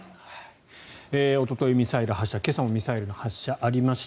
おととい、ミサイル発射今朝もミサイルの発射がありました。